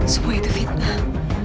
semua itu fitnah